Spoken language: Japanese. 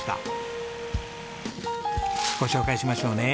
ご紹介しましょうね。